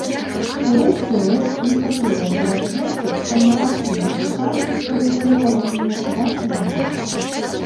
У рэшце рэшт, некаторыя царадворцы сталі адкрыта выказваць сваё грэбаванне да генерала.